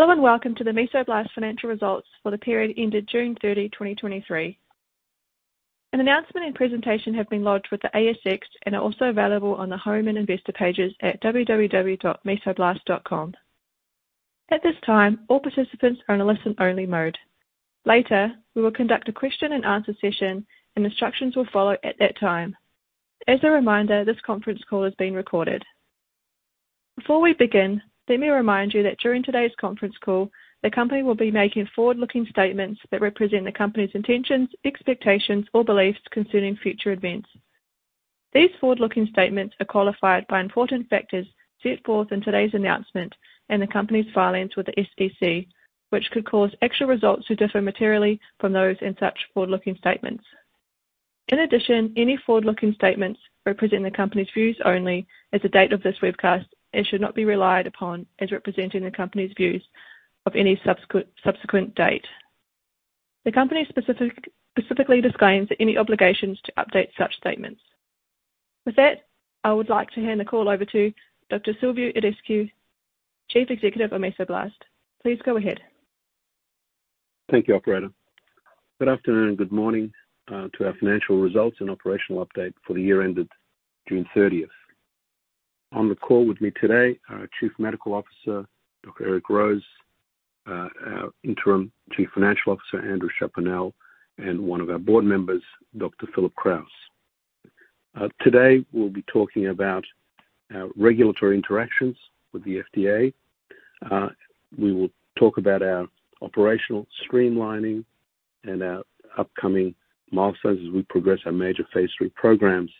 Hello, and welcome to the Mesoblast financial results for the period ended June 30, 2023. An announcement and presentation have been lodged with the ASX and are also available on the Home and Investor pages at www.mesoblast.com. At this time, all participants are in a listen-only mode. Later, we will conduct a question and answer session, and instructions will follow at that time. As a reminder, this conference call is being recorded. Before we begin, let me remind you that during today's conference call, the company will be making forward-looking statements that represent the company's intentions, expectations or beliefs concerning future events. These forward-looking statements are qualified by important factors set forth in today's announcement and the company's filings with the SEC, which could cause actual results to differ materially from those in such forward-looking statements. In addition, any forward-looking statements represent the company's views only as of the date of this webcast and should not be relied upon as representing the company's views of any subsequent date. The company specifically disclaims any obligations to update such statements. With that, I would like to hand the call over to Dr. Silviu Itescu, Chief Executive of Mesoblast. Please go ahead. Thank you, operator. Good afternoon, good morning, to our financial results and operational update for the year ended June 30. On the call with me today, our Chief Medical Officer, Dr. Eric Rose, our Interim Chief Financial Officer, Andrew Chaponnel, and one of our board members, Dr. Philip Krause. Today we'll be talking about our regulatory interactions with the FDA. We will talk about our operational streamlining and our upcoming milestones as we progress our major phase III programs,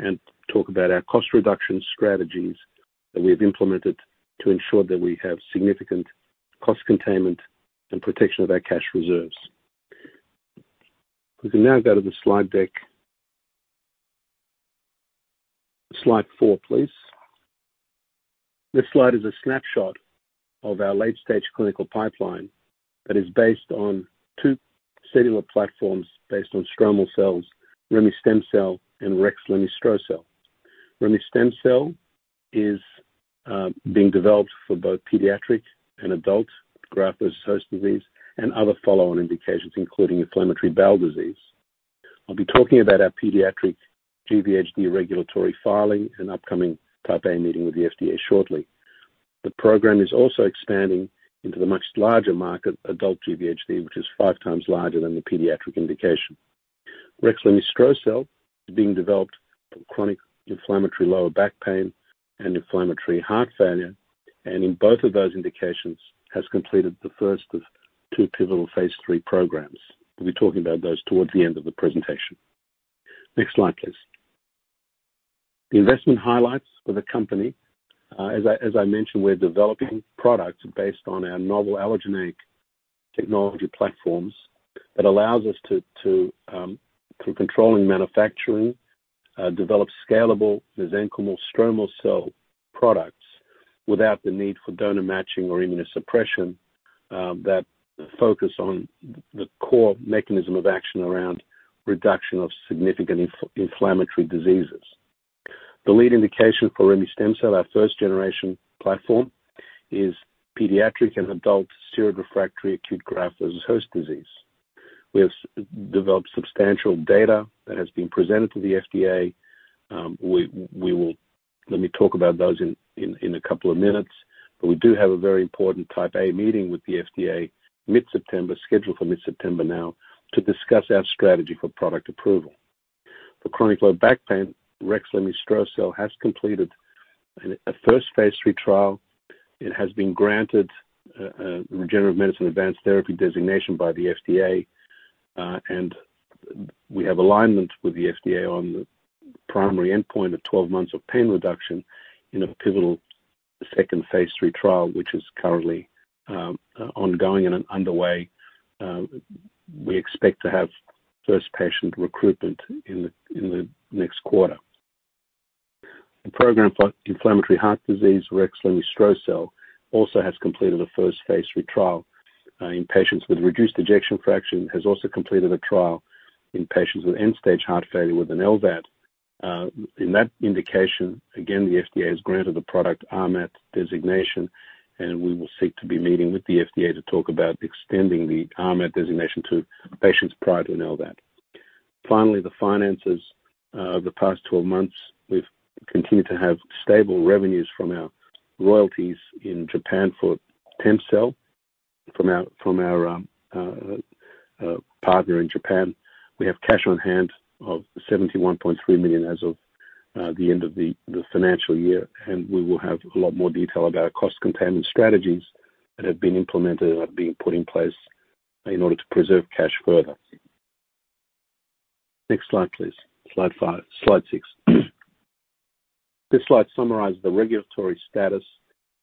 and talk about our cost reduction strategies that we have implemented to ensure that we have significant cost containment and protection of our cash reserves. We can now go to the slide deck. Slide 4, please. This slide is a snapshot of our late stage clinical pipeline that is based on two cellular platforms based on stromal cells, Remestemcel-L and Rexlemestrocel-L. Remestemcel-L is being developed for both pediatric and adult graft-versus-host disease and other follow-on indications, including inflammatory bowel disease. I'll be talking about our pediatric GVHD regulatory filing and upcoming Type A meeting with the FDA shortly. The program is also expanding into the much larger market, adult GVHD, which is five times larger than the pediatric indication. Rexlemestrocel-L is being developed for chronic inflammatory lower back pain and inflammatory heart failure, and in both of those indications, has completed the first of two pivotal phase III programs. We'll be talking about those towards the end of the presentation. Next slide, please. The investment highlights for the company. As I mentioned, we're developing products based on our novel allogeneic technology platforms that allows us to, through controlling manufacturing, develop scalable mesenchymal stromal cell products without the need for donor matching or immunosuppression, that focus on the core mechanism of action around reduction of significant inflammatory diseases. The lead indication for Remestemcel-L, our first generation platform, is pediatric and adult steroid-refractory acute graft-versus-host disease. We have developed substantial data that has been presented to the FDA. Let me talk about those in a couple of minutes. But we do have a very important Type A meeting with the FDA mid-September, scheduled for mid-September now, to discuss our strategy for product approval. For chronic low back pain, Rexlemestrocel-L has completed a first phase III trial. It has been granted Regenerative Medicine Advanced Therapy designation by the FDA, and we have alignment with the FDA on the primary endpoint of 12 months of pain reduction in a pivotal second phase III trial, which is currently ongoing and underway. We expect to have first patient recruitment in the next quarter. The program for inflammatory heart disease, Rexlemestrocel-L, also has completed a first phase III trial in patients with reduced ejection fraction, has also completed a trial in patients with end-stage heart failure with an LVAD. In that indication, again, the FDA has granted the product RMAT designation, and we will seek to be meeting with the FDA to talk about extending the RMAT designation to patients prior to an LVAD. Finally, the finances. The past 12 months, we've continued to have stable revenues from our royalties in Japan for TEMCELL, from our partner in Japan. We have cash on hand of $71.3 million as of the end of the financial year, and we will have a lot more detail about our cost containment strategies that have been implemented and are being put in place in order to preserve cash further. Next slide, please. Slide 5, Slide 6. This slide summarizes the regulatory status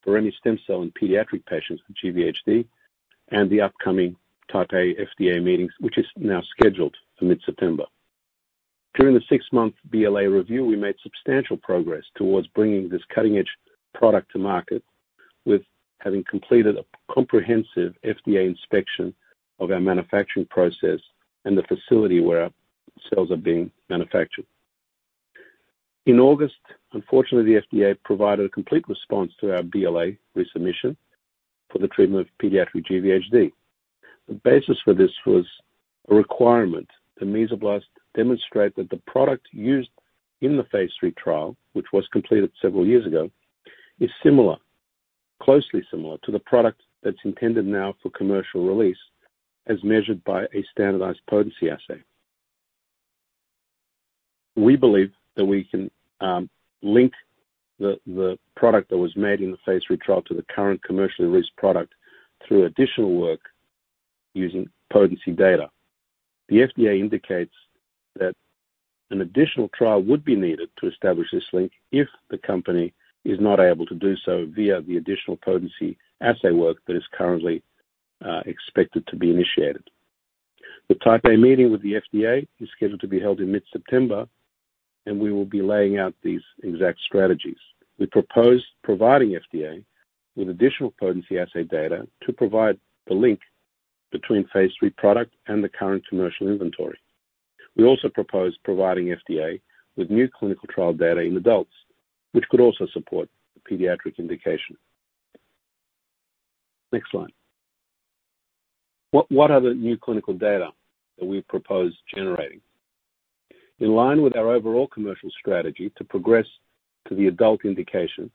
for Remestemcel-L in pediatric patients with GVHD and the upcoming Type A FDA meetings, which is now scheduled for mid-September. During the six month BLA review, we made substantial progress towards bringing this cutting-edge product to market, with having completed a comprehensive FDA inspection of our manufacturing process and the facility where our cells are being manufactured. In August, unfortunately, the FDA provided a complete response to our BLA resubmission for the treatment of pediatric GVHD. The basis for this was a requirement that Mesoblast demonstrate that the product used in the phase three trial, which was completed several years ago, is similar, closely similar to the product that's intended now for commercial release, as measured by a standardized potency assay. We believe that we can link the product that was made in the phase three trial to the current commercially released product through additional work using potency data. The FDA indicates that an additional trial would be needed to establish this link if the company is not able to do so via the additional potency assay work that is currently expected to be initiated. The Type A Meeting with the FDA is scheduled to be held in mid-September, and we will be laying out these exact strategies. We propose providing FDA with additional potency assay data to provide the link between phase III product and the current commercial inventory. We also propose providing FDA with new clinical trial data in adults, which could also support the pediatric indication. Next slide. What, what are the new clinical data that we propose generating? In line with our overall commercial strategy to progress to the adult indication,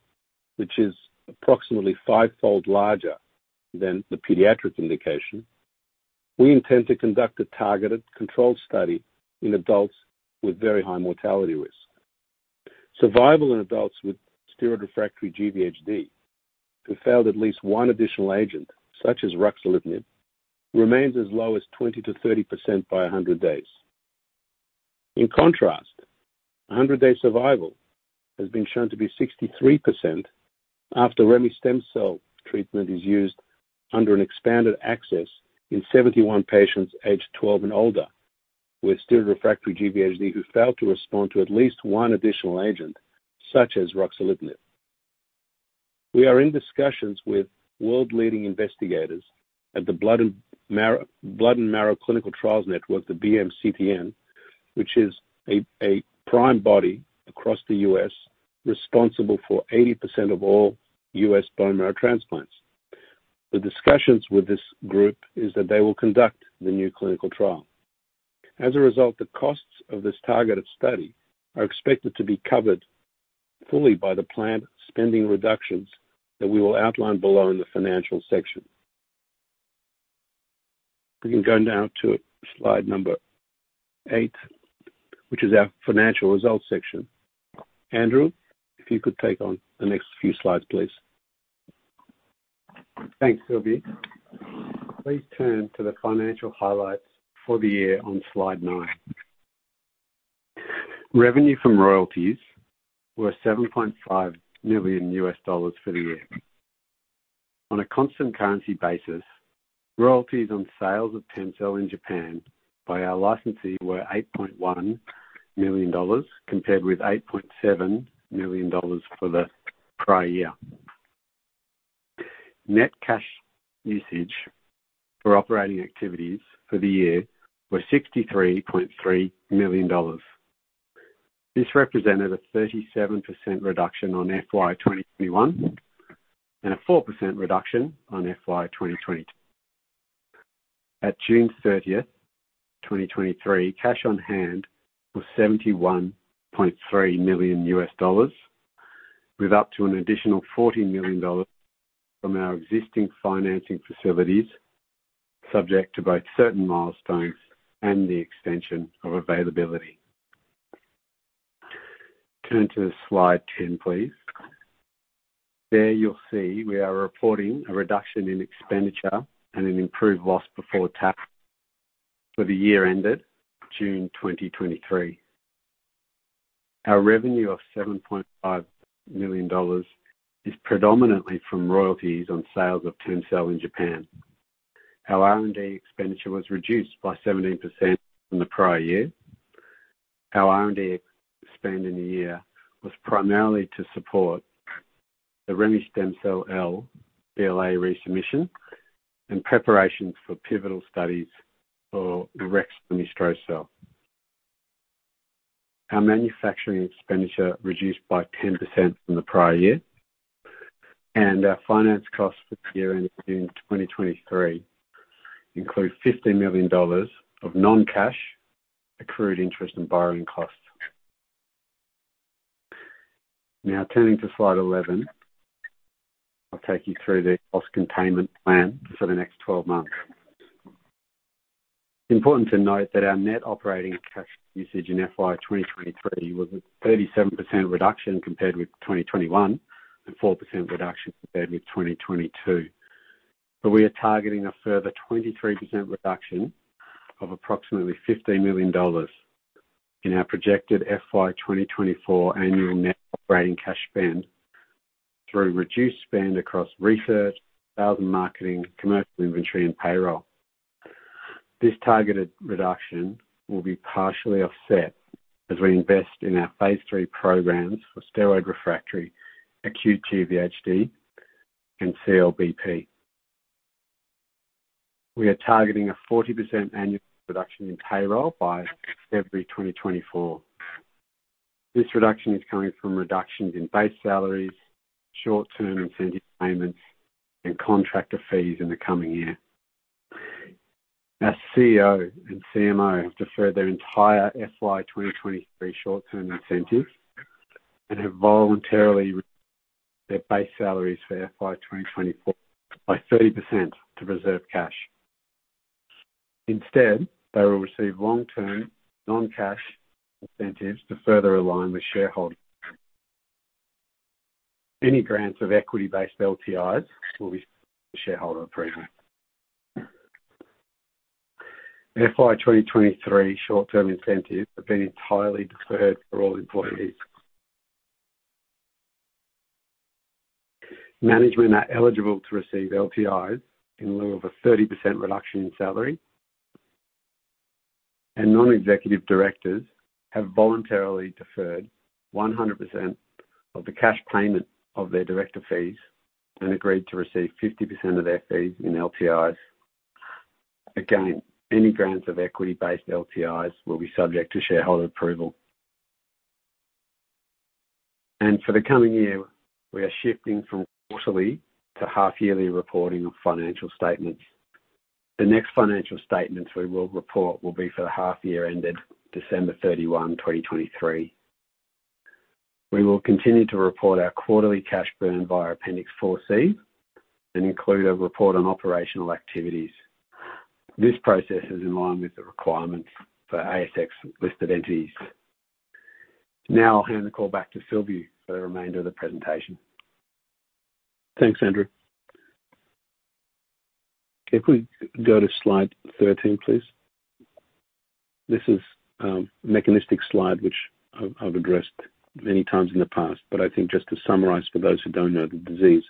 which is approximately fivefold larger than the pediatric indication, we intend to conduct a targeted controlled study in adults with very high mortality risk. Survival in adults with steroid-refractory GVHD, who failed at least one additional agent, such as ruxolitinib, remains as low as 20%-30% by 100 days. In contrast, 100-day survival has been shown to be 63% after Remestemcel-L treatment is used under an expanded access in 71 patients aged 12 and older, with steroid-refractory GVHD, who failed to respond to at least one additional agent, such as ruxolitinib. We are in discussions with world-leading investigators at the Blood and Marrow Clinical Trials Network, the BMT CTN, which is a prime body across the U.S., responsible for 80% of all U.S. bone marrow transplants. The discussions with this group is that they will conduct the new clinical trial. As a result, the costs of this targeted study are expected to be covered fully by the planned spending reductions that we will outline below in the financial section. We can go now to slide number 8, which is our financial results section. Andrew, if you could take on the next few slides, please. Thanks, Silviu. Please turn to the financial highlights for the year on slide 9. Revenue from royalties were $7.5 million for the year. On a constant currency basis, royalties on sales of TEMCELL in Japan by our licensee were $8.1 million, compared with $8.7 million for the prior year. Net cash usage for operating activities for the year were $63.3 million. This represented a 37% reduction on FY 2021, and a 4% reduction on FY 2022. At June thirtieth, 2023, cash on hand was $71.3 million, with up to an additional $14 million from our existing financing facilities, subject to both certain milestones and the extension of availability. Turn to slide 10, please. There you'll see we are reporting a reduction in expenditure and an improved loss before tax for the year ended June 2023. Our revenue of $7.5 million is predominantly from royalties on sales of TEMCELL in Japan. Our R&D expenditure was reduced by 17% from the prior year. Our R&D spend in the year was primarily to support the Remestemcel-L BLA resubmission and preparation for pivotal studies for the Rexlemestrocel-L. Our manufacturing expenditure reduced by 10% from the prior year, and our finance costs for the year ending June 2023 include $15 million of non-cash accrued interest and borrowing costs. Now, turning to slide 11, I'll take you through the cost containment plan for the next 12 months. Important to note that our net operating cash usage in FY 2023 was a 37% reduction compared with 2021, and 4% reduction compared with 2022. But we are targeting a further 23% reduction of approximately $15 million in our projected FY 2024 annual net operating cash spend through reduced spend across research, sales and marketing, commercial inventory, and payroll. This targeted reduction will be partially offset as we invest in our phase 3 programs for steroid-refractory, acute GVHD, and CLBP. We are targeting a 40% annual reduction in payroll by February 2024. This reduction is coming from reductions in base salaries, short-term incentive payments, and contractor fees in the coming year. Our CEO and CMO have deferred their entire FY 2023 short-term incentives and have voluntarily their base salaries for FY 2024 by 30% to reserve cash. Instead, they will receive long-term non-cash incentives to further align with shareholders. Any grants of equity-based LTIs will be shareholder approval. FY 2023 short-term incentives have been entirely deferred for all employees. Management are eligible to receive LTIs in lieu of a 30% reduction in salary. Non-executive directors have voluntarily deferred 100% of the cash payment of their director fees and agreed to receive 50% of their fees in LTIs. Again, any grants of equity-based LTIs will be subject to shareholder approval. For the coming year, we are shifting from quarterly to half-yearly reporting of financial statements. The next financial statements we will report will be for the half year ended December 31, 2023. We will continue to report our quarterly cash burn via Appendix 4C and include a report on operational activities. This process is in line with the requirements for ASX-listed entities. Now I'll hand the call back to Philip for the remainder of the presentation. Thanks, Andrew. If we go to slide 13, please. This is a mechanistic slide, which I've addressed many times in the past, but I think just to summarize, for those who don't know the disease,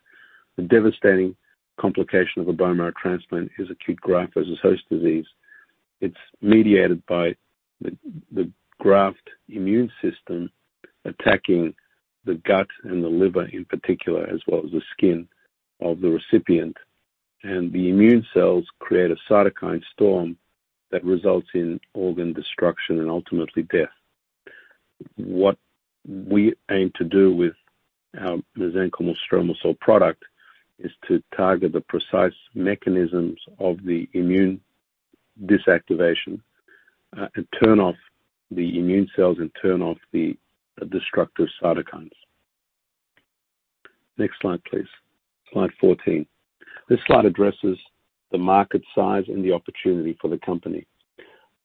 the devastating complication of a bone marrow transplant is acute Graft-Versus-Host Disease. It's mediated by the graft immune system attacking the gut and the liver, in particular, as well as the skin of the recipient, and the immune cells create a cytokine storm that results in organ destruction and ultimately death. What we aim to do with our mesenchymal stromal cell product is to target the precise mechanisms of the immune deactivation and turn off the immune cells and turn off the destructive cytokines. Next slide, please. Slide 14. This slide addresses the market size and the opportunity for the company.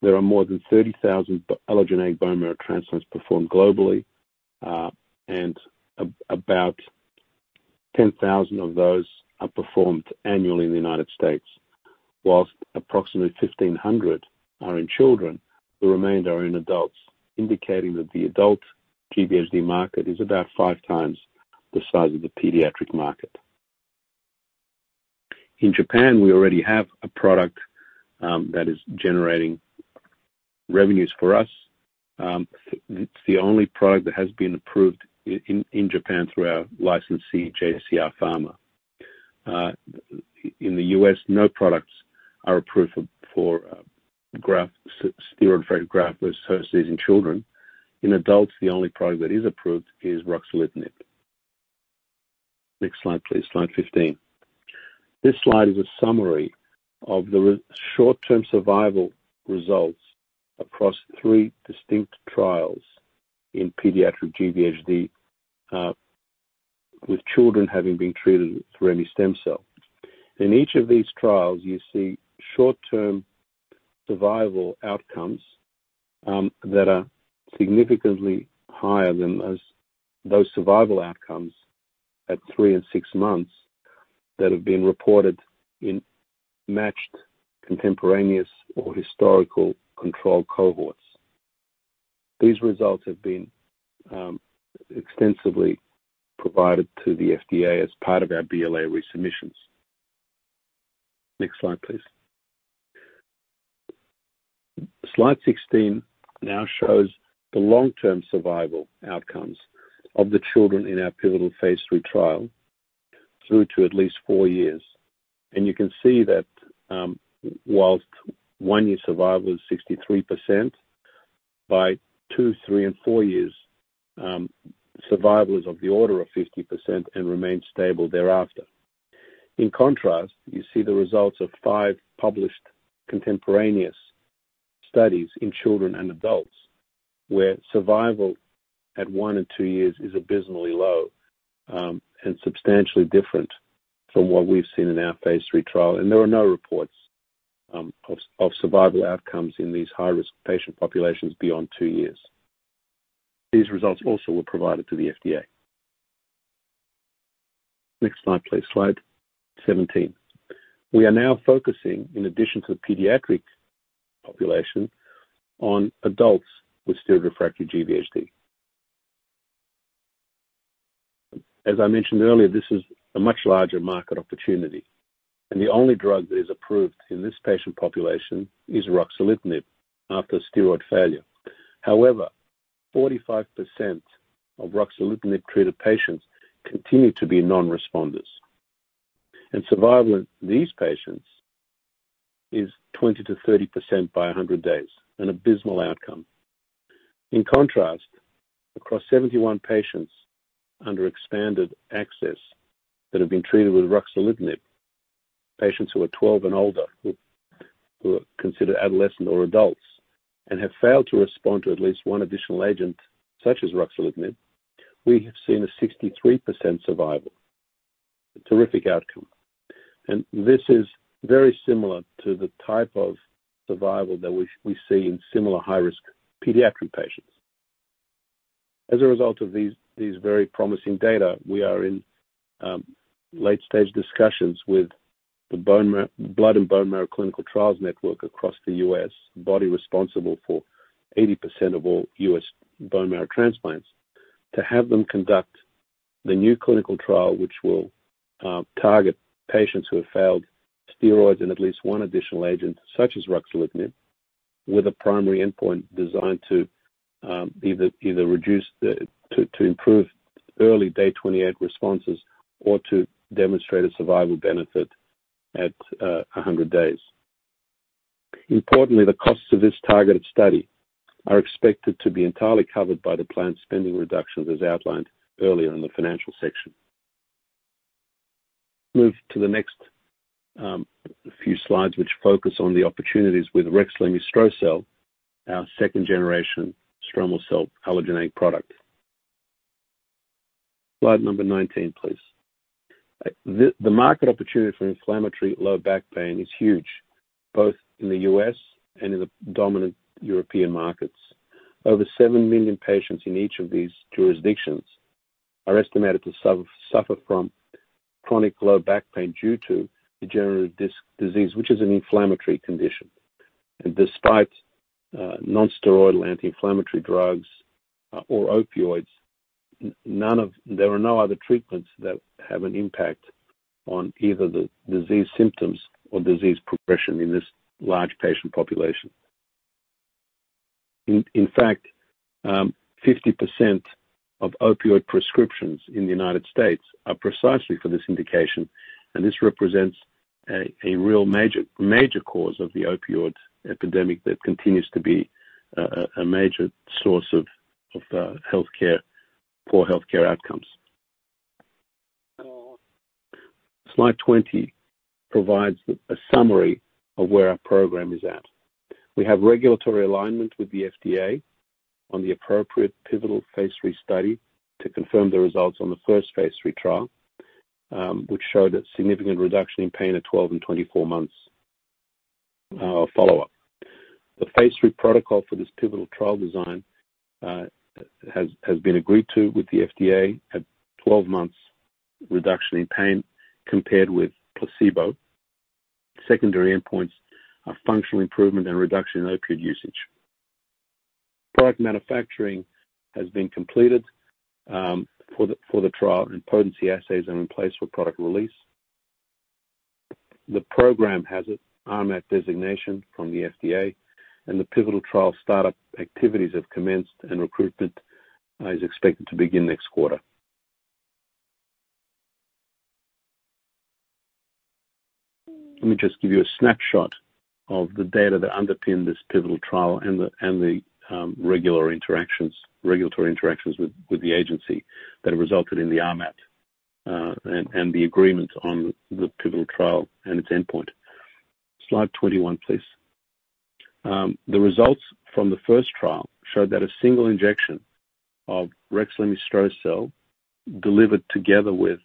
There are more than 30,000 allogeneic bone marrow transplants performed globally, and about 10,000 of those are performed annually in the United States, while approximately 1,500 are in children, the remainder are in adults, indicating that the adult GVHD market is about five times the size of the pediatric market. In Japan, we already have a product that is generating revenues for us. It's the only product that has been approved in Japan through our licensee, JCR Pharma. In the U.S., no products are approved for steroid refractory graft-versus-host disease in children. In adults, the only product that is approved is ruxolitinib. Next slide, please. Slide 15. This slide is a summary of the short-term survival results across three distinct trials in pediatric GVHD, with children having been treated with Remestemcel-L. In each of these trials, you see short-term survival outcomes that are significantly higher than those survival outcomes at three and six months that have been reported in matched, contemporaneous, or historical control cohorts. These results have been extensively provided to the FDA as part of our BLA resubmissions. Next slide, please. Slide 16 now shows the long-term survival outcomes of the children in our pivotal phase III trial through to at least four years. You can see that whilst one year survival is 63%, by two, three, and four years, survival is of the order of 50% and remains stable thereafter. In contrast, you see the results of five published contemporaneous studies in children and adults, where survival at one and two years is abysmally low and substantially different from what we've seen in our phase III trial. There are no reports of survival outcomes in these high-risk patient populations beyond two years. These results also were provided to the FDA. Next slide, please. Slide 17. We are now focusing, in addition to the pediatric population, on adults with steroid-refractory GVHD. As I mentioned earlier, this is a much larger market opportunity, and the only drug that is approved in this patient population is ruxolitinib after steroid failure. However, 45% of ruxolitinib-treated patients continue to be non-responders, and survival in these patients is 20%-30% by 100 days, an abysmal outcome. In contrast, across 71 patients under expanded access that have been treated with ruxolitinib, patients who are 12 and older, who are considered adolescent or adults, and have failed to respond to at least one additional agent, such as ruxolitinib, we have seen a 63% survival. A terrific outcome. This is very similar to the type of survival that we see in similar high-risk pediatric patients. As a result of these very promising data, we are in late-stage discussions with the Blood and Marrow Clinical Trials Network across the U.S., the body responsible for 80% of all U.S. bone marrow transplants, to have them conduct the new clinical trial, which will target patients who have failed steroids and at least one additional agent, such as ruxolitinib, with a primary endpoint designed to either improve early day 28 responses or to demonstrate a survival benefit at 100 days. Importantly, the costs of this targeted study are expected to be entirely covered by the planned spending reductions, as outlined earlier in the financial section. Move to the next few slides, which focus on the opportunities with Rexlemestrocel-L, our second-generation stromal cell allogeneic product. Slide number 19, please. The market opportunity for inflammatory low back pain is huge, both in the U.S. and in the dominant European markets. Over 7 million patients in each of these jurisdictions are estimated to suffer from chronic low back pain due to degenerative disc disease, which is an inflammatory condition. Despite non-steroidal anti-inflammatory drugs or opioids, there are no other treatments that have an impact on either the disease symptoms or disease progression in this large patient population. In fact, 50% of opioid prescriptions in the United States are precisely for this indication, and this represents a real major cause of the opioid epidemic that continues to be a major source of poor healthcare outcomes. Slide 20 provides a summary of where our program is at. We have regulatory alignment with the FDA on the appropriate pivotal phase III study to confirm the results on the first phase III trial, which showed a significant reduction in pain at 12 and 24 months follow-up. The phase III protocol for this pivotal trial design has been agreed to with the FDA at 12 months reduction in pain compared with placebo. Secondary endpoints are functional improvement and reduction in opioid usage. Product manufacturing has been completed for the trial, and potency assays are in place for product release. The program has an RMAT designation from the FDA, and the pivotal trial start-up activities have commenced, and recruitment is expected to begin next quarter. Let me just give you a snapshot of the data that underpin this pivotal trial and the regulatory interactions with the agency that have resulted in the RMAT and the agreement on the pivotal trial and its endpoint. Slide 21, please. The results from the first trial showed that a single injection of Rexlemestrocel-L, delivered together with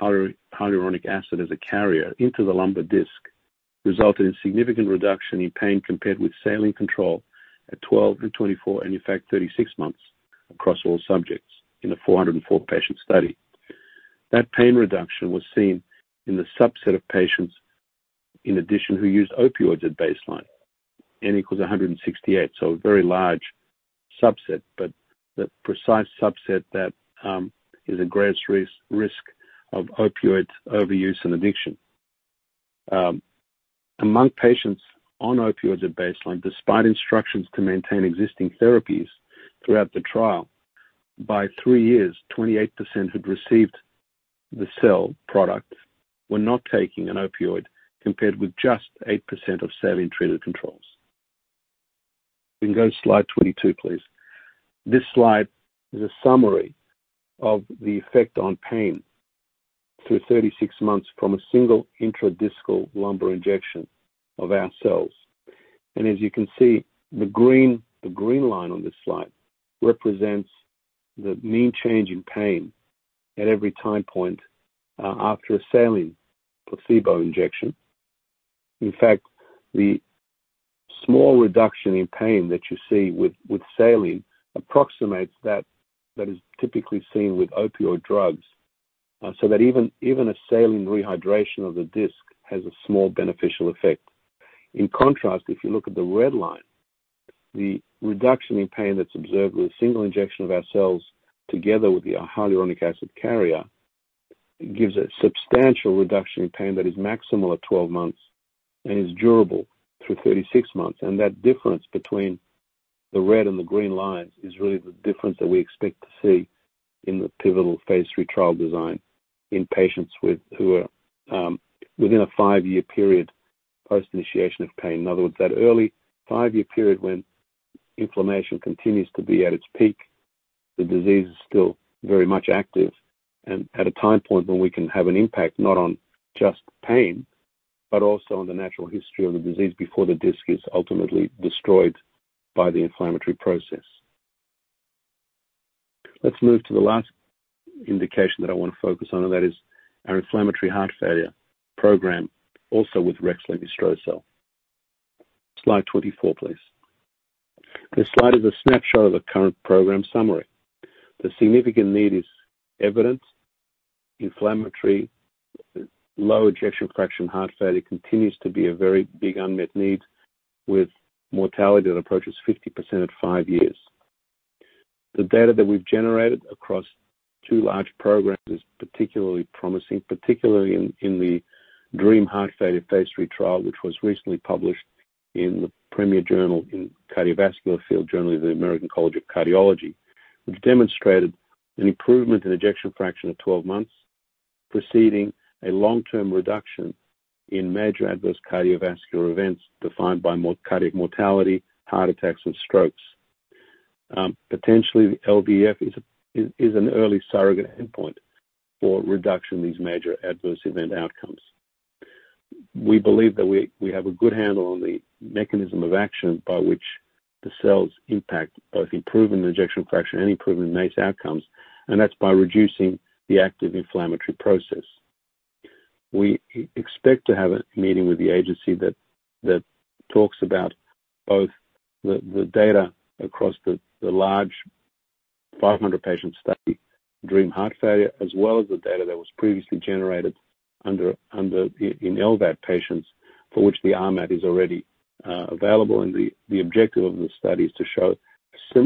hyaluronic acid as a carrier into the lumbar disc, resulted in significant reduction in pain compared with saline control at 12 and 24, and in fact, 36 months across all subjects in the 404-patient study. That pain reduction was seen in the subset of patients, in addition, who used opioids at baseline, N equals 168, so a very large subset, but the precise subset that is at greatest risk of opioid overuse and addiction. Among patients on opioids at baseline, despite instructions to maintain existing therapies throughout the trial, by three years, 28% who'd received the cell product were not taking an opioid, compared with just 8% of saline-treated controls. You can go to slide 22, please. This slide is a summary of the effect on pain through 36 months from a single intradiscal lumbar injection of our cells. As you can see, the green line on this slide represents the mean change in pain at every time point after a saline placebo injection. In fact, the small reduction in pain that you see with saline approximates that is typically seen with opioid drugs, so that even a saline rehydration of the disc has a small beneficial effect. In contrast, if you look at the red line, the reduction in pain that's observed with a single injection of our cells, together with the hyaluronic acid carrier... It gives a substantial reduction in pain that is maximal at 12 months and is durable through 36 months. That difference between the red and the green lines is really the difference that we expect to see in the pivotal phase III trial design in patients who are within a five-year period, post-initiation of pain. In other words, that early five-year period when inflammation continues to be at its peak, the disease is still very much active and at a time point where we can have an impact, not on just pain, but also on the natural history of the disease before the disc is ultimately destroyed by the inflammatory process. Let's move to the last indication that I want to focus on, and that is our inflammatory heart failure program, also with Rexlemestrocel-L. Slide 24, please. This slide is a snapshot of the current program summary. The significant need is evidence. Inflammatory low ejection fraction heart failure continues to be a very big unmet need, with mortality that approaches 50% at five years. The data that we've generated across two large programs is particularly promising, particularly in the DREAM Heart Failure phase III trial, which was recently published in the premier journal in the cardiovascular field, Journal of the American College of Cardiology, which demonstrated an improvement in ejection fraction of 12 months, preceding a long-term reduction in major adverse cardiovascular events defined by more cardiac mortality, heart attacks, and strokes. Potentially the LVF is an early surrogate endpoint for reduction in these major adverse event outcomes. We believe that we have a good handle on the mechanism of action by which the cells impact both improvement in ejection fraction and improvement in MACE outcomes, and that's by reducing the active inflammatory process. We expect to have a meeting with the agency that talks about both the data across the large 500-patient study, DREAM Heart Failure, as well as the data that was previously generated under in LVAD patients, for which the RMAT is already available. And the objective of the study is to show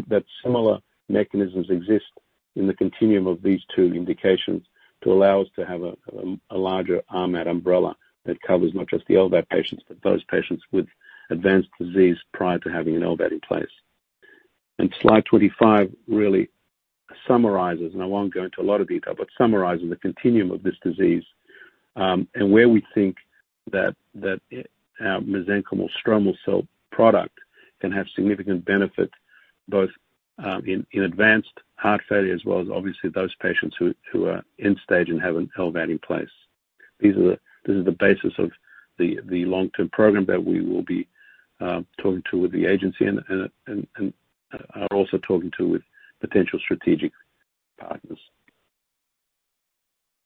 that similar mechanisms exist in the continuum of these two indications to allow us to have a larger RMAT umbrella that covers not just the LVAD patients, but those patients with advanced disease prior to having an LVAD in place. Slide 25 really summarizes, and I won't go into a lot of detail, but summarizes the continuum of this disease, and where we think that our mesenchymal stromal cell product can have significant benefit, both in advanced heart failure, as well as obviously those patients who are end stage and have an LVAD in place. This is the basis of the long-term program that we will be talking to with the agency and are also talking to with potential strategic partners.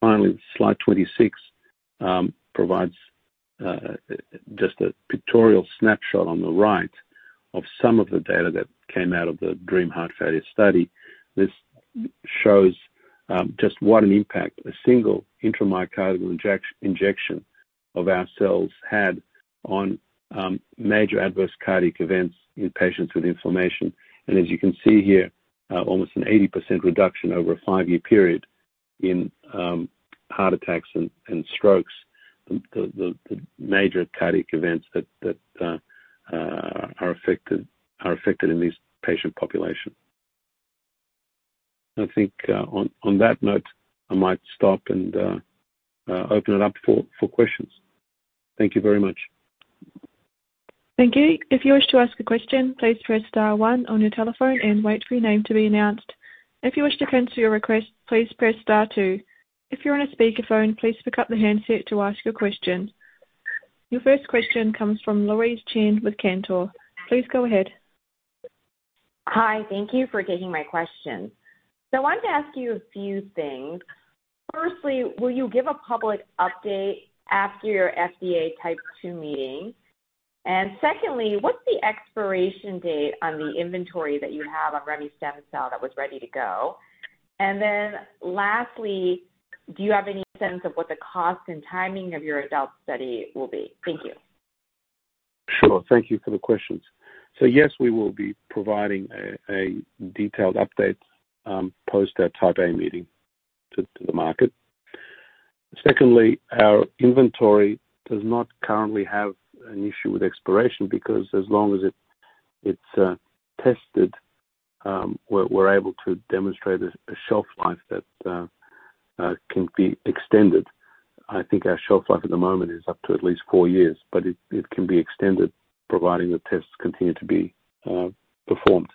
Finally, slide 26 provides just a pictorial snapshot on the right of some of the data that came out of the DREAM Heart Failure study. This shows just what an impact a single intramyocardial injection of our cells had on major adverse cardiac events in patients with inflammation. As you can see here, almost an 80% reduction over a five-year period in heart attacks and strokes. The major cardiac events that are affected in these patient population. I think on that note, I might stop and open it up for questions. Thank you very much. Thank you. If you wish to ask a question, please press star one on your telephone and wait for your name to be announced. If you wish to cancel your request, please press star two. If you're on a speakerphone, please pick up the handset to ask your question. Your first question comes from Louise Chen with Cantor. Please go ahead. Hi. Thank you for taking my question. I wanted to ask you a few things. Firstly, will you give a public update after your FDA Type 2 meeting? And secondly, what's the expiration date on the inventory that you have on remestemcel that was ready to go? And then lastly, do you have any sense of what the cost and timing of your adult study will be? Thank you. Sure. Thank you for the questions. So yes, we will be providing a, a detailed update, post our Type A meeting to, to the market. Secondly, our inventory does not currently have an issue with expiration because as long as it, it's, tested, we're, we're able to demonstrate a, a shelf life that, can be extended. I think our shelf life at the moment is up to at least four years, but it, it can be extended, providing the tests continue to be, performed.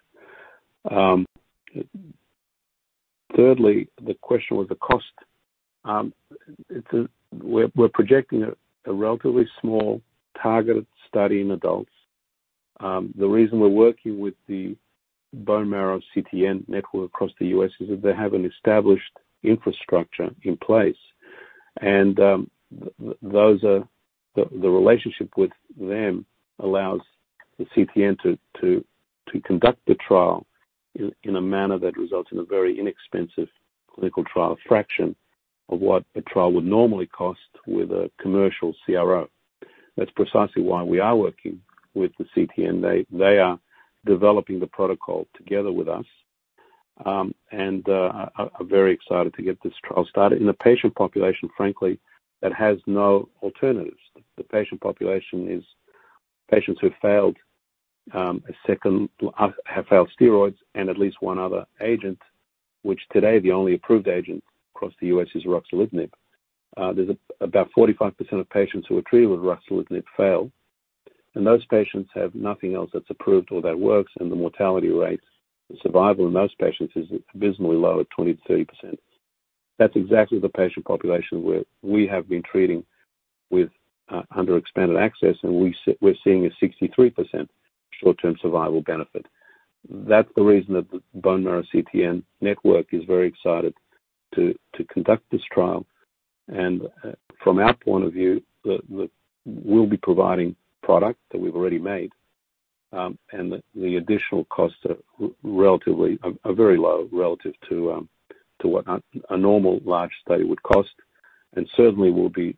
Thirdly, the question was the cost. It's a... We're, we're projecting a, a relatively small targeted study in adults. The reason we're working with the bone marrow CTN network across the U.S. is that they have an established infrastructure in place, and the relationship with them allows the CTN to conduct the trial in a manner that results in a very inexpensive clinical trial, a fraction of what a trial would normally cost with a commercial CRO. That's precisely why we are working with the CTN. They are developing the protocol together with us, and are very excited to get this trial started in a patient population, frankly, that has no alternatives. The patient population is patients who've failed steroids and at least one other agent, which today the only approved agent across the U.S. is ruxolitinib. There's about 45% of patients who are treated with ruxolitinib fail, and those patients have nothing else that's approved or that works, and the mortality rates, the survival in those patients is abysmally low at 20%-30%. That's exactly the patient population where we have been treating with under expanded access, and we're seeing a 63% short-term survival benefit. That's the reason that the Blood and Marrow CTN network is very excited to conduct this trial. From our point of view, we'll be providing product that we've already made, and the additional costs are relatively very low relative to what a normal large study would cost, and certainly will be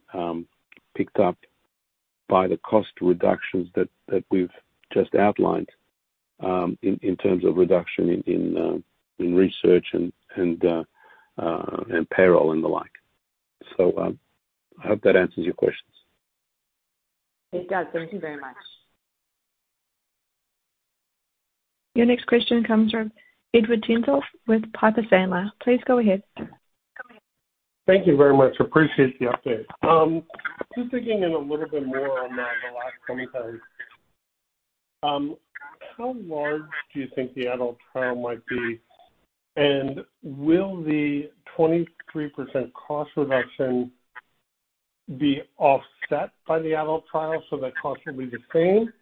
picked up by the cost reductions that we've just outlined, in terms of reduction in research and payroll and the like. So, I hope that answers your questions. It does. Thank you very much. Your next question comes from Edward Tenthoff with Piper Sandler. Please go ahead. Thank you very much. Appreciate the update. Just digging in a little bit more on the last point. How large do you think the adult trial might be? And will the 23% cost reduction be offset by the adult trial so the cost will be the same,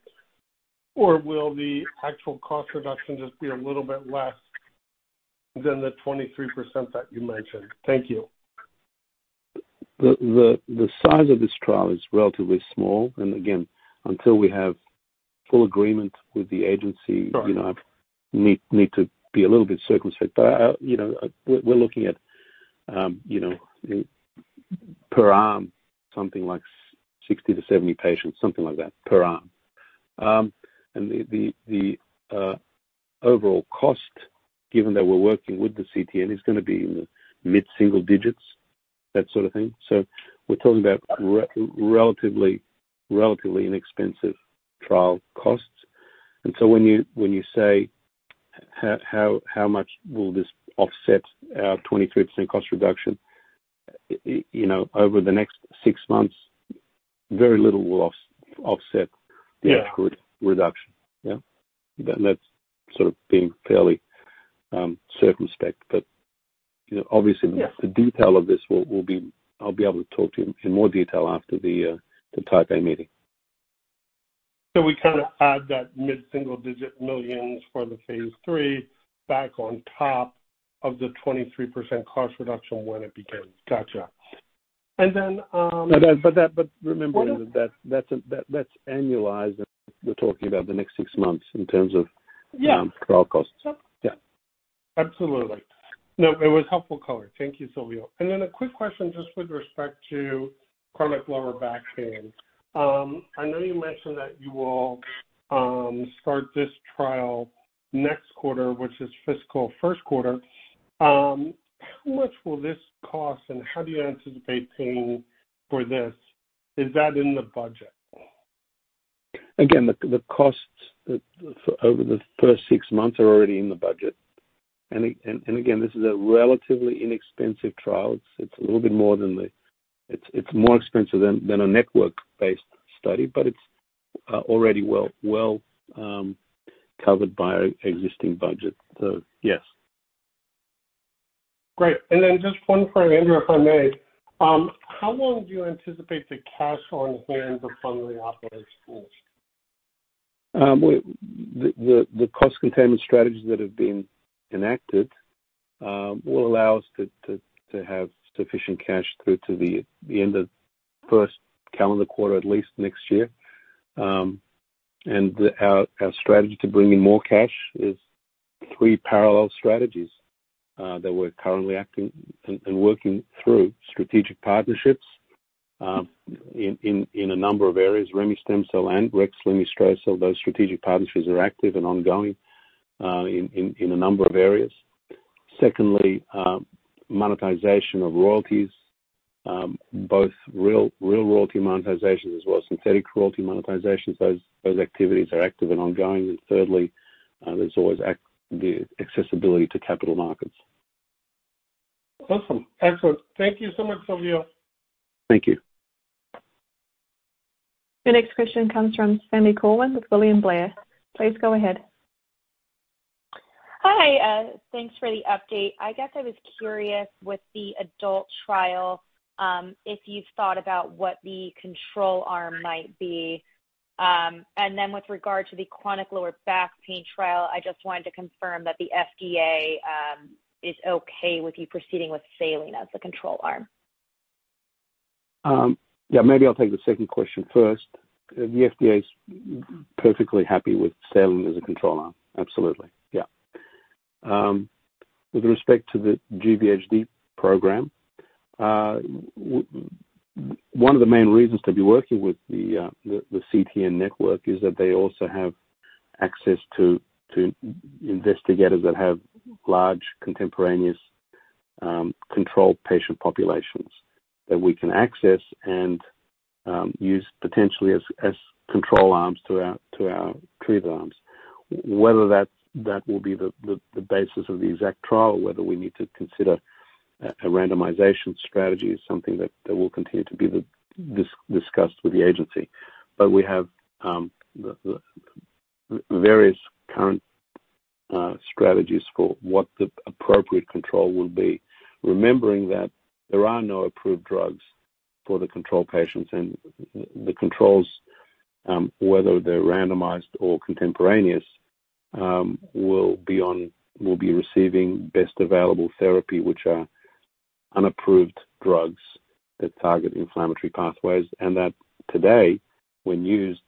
or will the actual cost reduction just be a little bit less than the 23% that you mentioned? Thank you. The size of this trial is relatively small, and again, until we have full agreement with the agency- Right. you know, I need to be a little bit circumspect. But I, you know, we're looking at, you know, per arm, something like 60-70 patients, something like that, per arm. And the overall cost, given that we're working with the CTN, is gonna be in the mid-single digits, that sort of thing. So we're talking about relatively inexpensive trial costs. And so when you say, how much will this offset our 23% cost reduction, you know, over the next six months, very little will offset- Yeah - the output reduction. Yeah. That's sort of being fairly, circumspect, but, you know, obviously- Yeah... the detail of this will be, I'll be able to talk to you in more detail after the Taipei meeting. So we kinda add that $ mid-single digit millions for the phase III back on top of the 23% cost reduction when it begins. Gotcha. And then, But remember- Go ahead... that's annualized, and we're talking about the next six months in terms of- Yeah... trial costs. Sure. Yeah. Absolutely. No, it was helpful color. Thank you, Silviu. And then a quick question just with respect to chronic lower back pain. I know you mentioned that you will start this trial next quarter, which is fiscal first quarter. How much will this cost, and how do you anticipate paying for this? Is that in the budget? Again, the costs for over the first six months are already in the budget. And again, this is a relatively inexpensive trial. It's a little bit more expensive than a network-based study, but it's already well covered by our existing budget. So yes. Great. And then just one for Andrew, if I may. How long do you anticipate the cash on hand to fund the operating costs? The cost containment strategies that have been enacted will allow us to have sufficient cash through to the end of first calendar quarter, at least next year. And our strategy to bring in more cash is three parallel strategies that we're currently acting and working through. Strategic partnerships in a number of areas, Remestemcel-L and Rexlemestrocel-L. Those strategic partnerships are active and ongoing in a number of areas. Secondly, monetization of royalties, both real royalty monetization as well as synthetic royalty monetization. Those activities are active and ongoing. And thirdly, there's always the accessibility to capital markets. Awesome. Excellent. Thank you so much, Silviu. Thank you. The next question comes from Sami Corwin with William Blair. Please go ahead. Hi, thanks for the update. I guess I was curious with the adult trial, if you've thought about what the control arm might be? And then with regard to the chronic lower back pain trial, I just wanted to confirm that the FDA is okay with you proceeding with saline as the control arm. Yeah, maybe I'll take the second question first. The FDA's perfectly happy with saline as a control arm. Absolutely. Yeah. With respect to the GVHD program, one of the main reasons to be working with the CTN network is that they also have access to investigators that have large contemporaneous controlled patient populations that we can access and use potentially as control arms to our treatment arms. Whether that will be the basis of the exact trial, whether we need to consider a randomization strategy is something that will continue to be discussed with the agency. But we have the various current strategies for what the appropriate control will be. Remembering that there are no approved drugs for the control patients, and the controls will be receiving best available therapy, which are unapproved drugs that target inflammatory pathways, and that today, when used,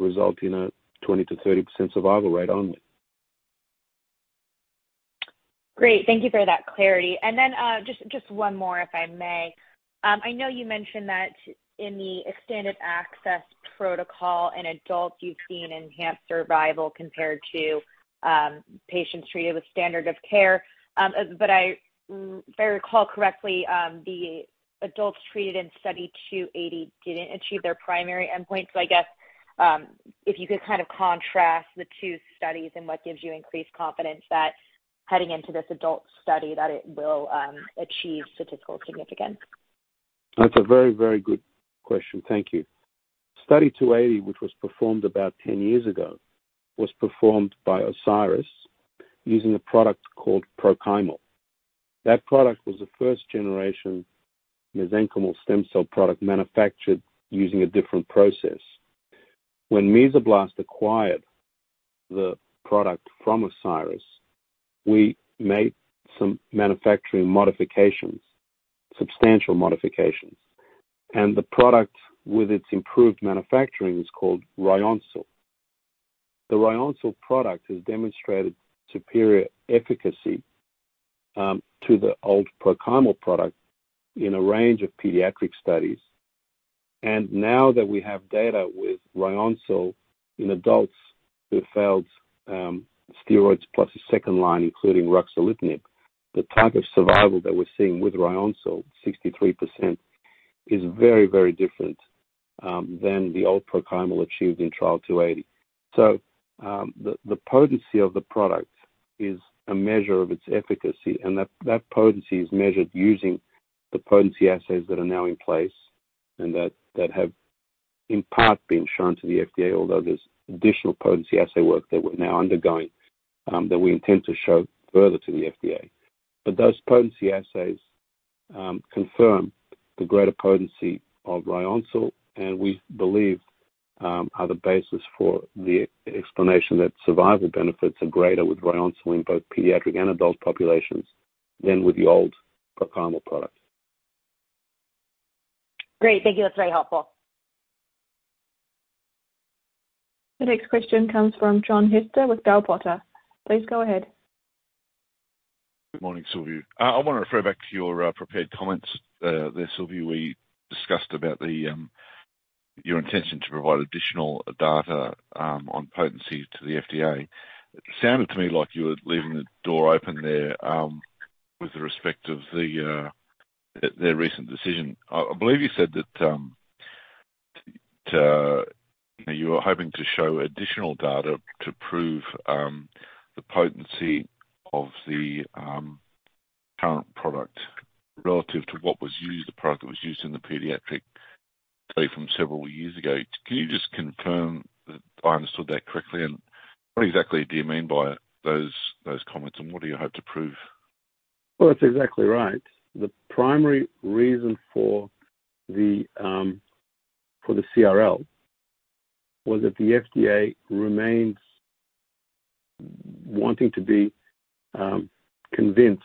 result in a 20%-30% survival rate only. Great. Thank you for that clarity. And then, just one more, if I may. I know you mentioned that in the extended access protocol in adults, you've seen enhanced survival compared to, patients treated with standard of care. But I, if I recall correctly, the adults treated in study 280 didn't achieve their primary endpoint. So I guess, if you could kind of contrast the two studies and what gives you increased confidence that heading into this adult study, that it will, achieve statistical significance? That's a very, very good question. Thank you. Study 280, which was performed about 10 years ago, was performed by Osiris using a product called Prochymal. That product was a first-generation mesenchymal stem cell product manufactured using a different process. When Mesoblast acquired the product from Osiris, we made some manufacturing modifications, substantial modifications, and the product, with its improved manufacturing, is called Ryoncil. The Ryoncil product has demonstrated superior efficacy to the old Prochymal product in a range of pediatric studies. Now that we have data with Ryoncil in adults who failed steroids, plus a second line, including ruxolitinib, the type of survival that we're seeing with Ryoncil, 63%, is very, very different than the old Prochymal achieved in trial 280. So, the potency of the product is a measure of its efficacy, and that potency is measured using the potency assays that are now in place and that have in part been shown to the FDA, although there's additional potency assay work that we're now undergoing, that we intend to show further to the FDA. But those potency assays confirm the greater potency of Ryoncil, and we believe are the basis for the explanation that survival benefits are greater with Ryoncil in both pediatric and adult populations than with the old Prochymal product. Great, thank you. That's very helpful. The next question comes from John Hester with Bell Potter. Please go ahead. Good morning, Silviu. I wanna refer back to your prepared comments. Silviu, we discussed about your intention to provide additional data on potency to the FDA. It sounded to me like you were leaving the door open there with respect of their recent decision. I believe you said that, to you know, you were hoping to show additional data to prove the potency of the current product relative to what was used, the product that was used in the pediatric study from several years ago. Can you just confirm that I understood that correctly, and what exactly do you mean by those comments, and what do you hope to prove? Well, that's exactly right. The primary reason for the CRL was that the FDA remains wanting to be convinced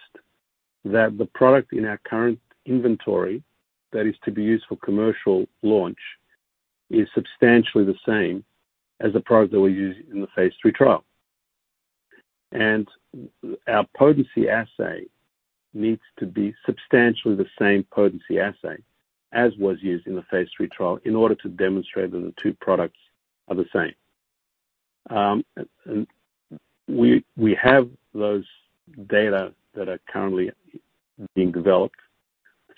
that the product in our current inventory, that is to be used for commercial launch, is substantially the same as the product that we use in the phase three trial. And our potency assay needs to be substantially the same potency assay as was used in the phase III trial in order to demonstrate that the two products are the same. And we have those data that are currently being developed.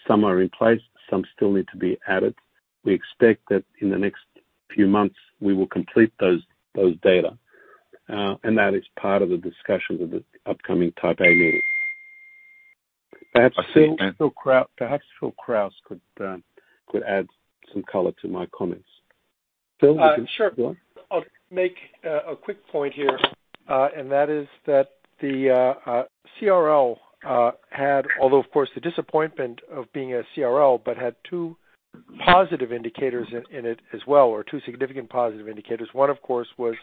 Some are in place, some still need to be added. We expect that in the next few months, we will complete those data, and that is part of the discussions of the upcoming Type A meeting. Perhaps Phil Krause could add some color to my comments. Phil, would you- Uh, sure. Go on. I'll make a quick point here, and that is that the CRL had, although of course, the disappointment of being a CRL, but had two positive indicators in it as well, or two significant positive indicators. One, of course, was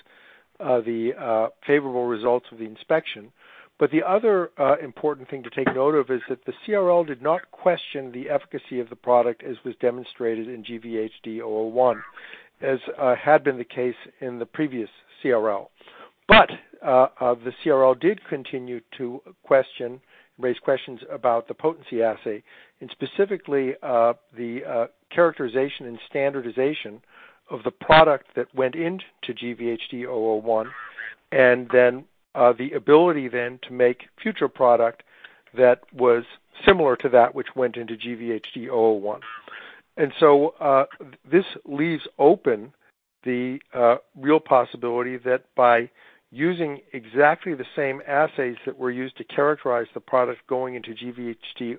the favorable results of the inspection. But the other important thing to take note of is that the CRL did not question the efficacy of the product, as was demonstrated in GVHD-001 as had been the case in the previous CRL. But the CRL did continue to question, raise questions about the potency assay and specifically, the characterization and standardization of the product that went into GVHD-001, and then the ability then to make future product that was similar to that which went into GVHD-001. This leaves open the real possibility that by using exactly the same assays that were used to characterize the product going into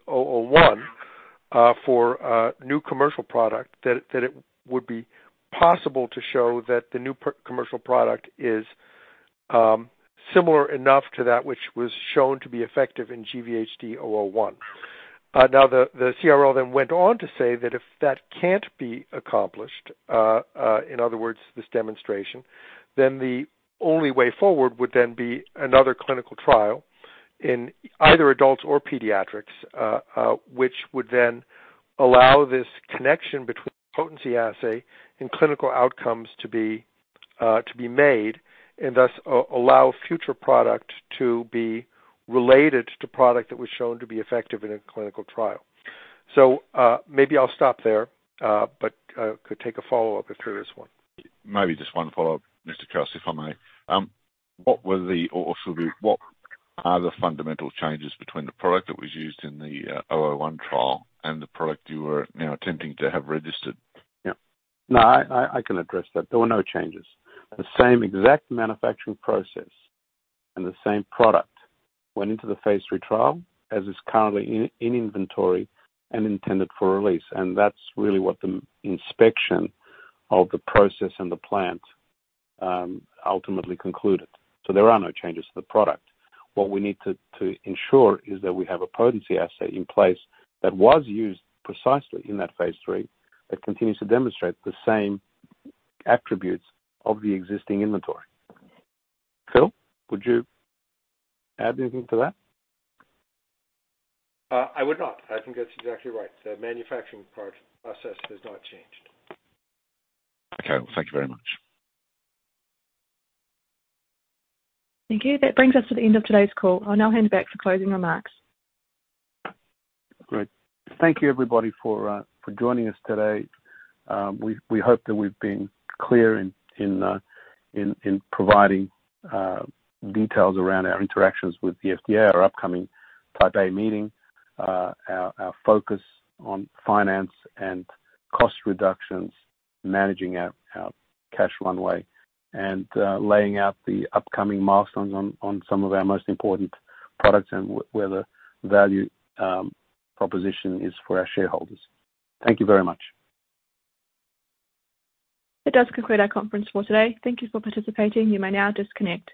GVHD001 for a new commercial product, that it would be possible to show that the new commercial product is similar enough to that which was shown to be effective in GVHD001. Now, the CRL then went on to say that if that can't be accomplished, in other words, this demonstration, then the only way forward would then be another clinical trial in either adults or pediatrics, which would then allow this connection between potency assay and clinical outcomes to be made, and thus, allow future product to be related to product that was shown to be effective in a clinical trial. So, maybe I'll stop there, but could take a follow-up if there is one. Maybe just one follow-up, Mr. Itescu, if I may. Sorry, what are the fundamental changes between the product that was used in the 001 trial and the product you are now attempting to have registered? Yeah. No, I can address that. There were no changes. The same exact manufacturing process and the same product went into the phase III trial, as is currently in inventory and intended for release. And that's really what the inspection of the process and the plant ultimately concluded. So there are no changes to the product. What we need to ensure is that we have a potency assay in place that was used precisely in that phase three, that continues to demonstrate the same attributes of the existing inventory. Phil, would you add anything to that? I would not. I think that's exactly right. The manufacturing process has not changed. Okay. Thank you very much. Thank you. That brings us to the end of today's call. I'll now hand it back for closing remarks. Great. Thank you, everybody, for joining us today. We hope that we've been clear in providing details around our interactions with the FDA, our upcoming Type A Meeting, our focus on finance and cost reductions, managing our cash runway, and laying out the upcoming milestones on some of our most important products and where the value proposition is for our shareholders. Thank you very much. That does conclude our conference for today. Thank you for participating. You may now disconnect.